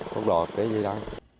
có đò cái gì đó